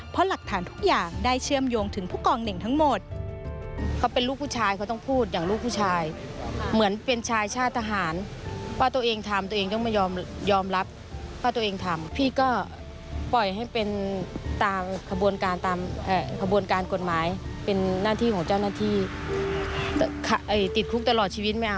เพราะหลักฐานทุกอย่างได้เชื่อมโยงถึงผู้กองเน่งทั้งหมด